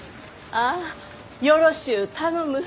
ああよろしゅう頼む。